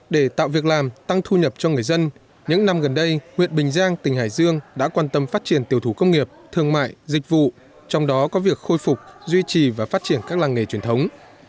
để tạo việc làm tăng thu nhập cho người dân những năm gần đây huyện bình giang tỉnh hải dương đã quan tâm phát triển tiểu thủ công nghiệp thương mại dịch vụ trong đó có việc khôi phục duy trì và phát triển các làng nghề truyền thống